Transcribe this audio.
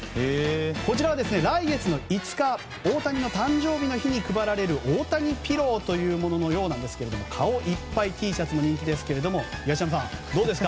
こちらは来月の５日大谷の誕生日の日に配られる大谷ピローというものですが顔いっぱいＴシャツも人気ですけれども東山さん、どうですか？